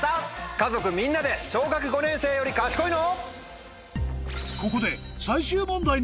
家族みんなで小学５年生より賢いの？